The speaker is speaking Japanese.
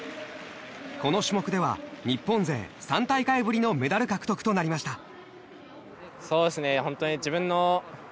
この種目では日本勢３大会ぶりのメダル獲得となりました。